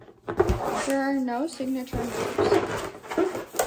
There are no signature moves.